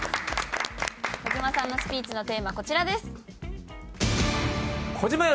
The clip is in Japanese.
小島さんのスピーチのテーマこちらです。